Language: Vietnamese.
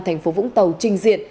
thành phố vũng tàu trình diện